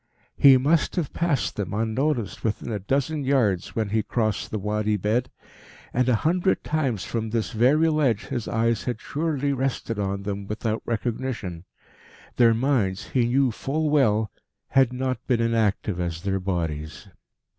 He must have passed them unnoticed within a dozen yards when he crossed the Wadi bed, and a hundred times from this very ledge his eyes had surely rested on them without recognition. Their minds, he knew full well, had not been inactive as their bodies.